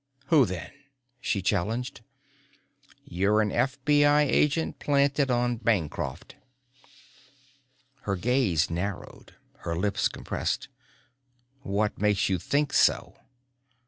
"Who, then?" she challenged. "You're an FBI agent planted on Bancroft." Her gaze narrowed, her lips compressed. "What makes you think so?"